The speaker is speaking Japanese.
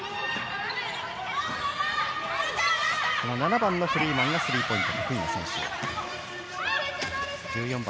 ７番のフリーマンはスリーポイント得意な選手。